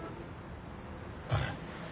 はい。